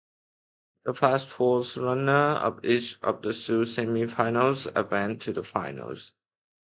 The fast four runners of each of the two semifinals advanced to the final.